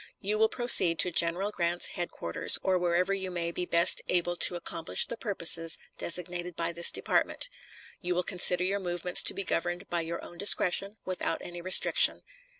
You will proceed to General Grant's headquarters, or wherever you may be best able to accomplish the purposes designated by this department. You will consider your movements to be governed by your own discretion, without any restriction.